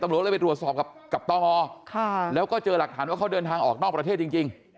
ตำรวจเลยไปตรวจสอบกับตมแล้วก็เจอหลักฐานว่าเขาเดินทางออกนอกประเทศจริง